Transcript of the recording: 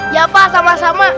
ya pak sama sama